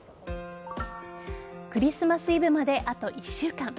クリスマスイブまであと１週間。